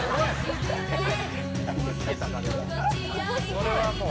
「これはもう」